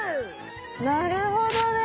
なるほどね。